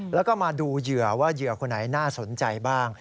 แล้วก็มาดูเหยื่อว่าเหยื่อคนไหนน่าสนใจบ้าง